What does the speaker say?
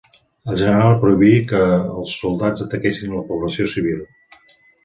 El general prohibí que els soldats ataquessin la població civil.